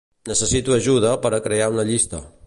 Necessito ajuda per a crear una llista.